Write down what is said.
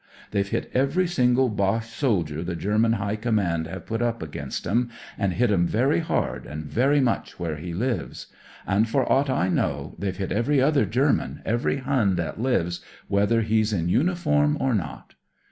They've hit every single Boche soldier the German High Commands have put up against 'em, and hit him very hard, and very much where he lives. And, for aught I know, they've hit every other German, every Hun that lives, whether he's in uniform or not."